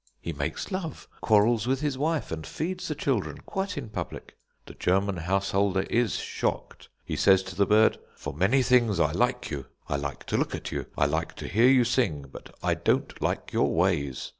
He makes love, quarrels with his wife, and feeds the children quite in public. The German householder is shocked. He says to the bird: "'For many things I like you. I like to look at you. I like to hear you sing. But I don't like your ways.